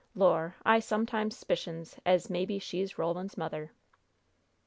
Lor', I sometimes s'picions as maybe she's Roland's mother!"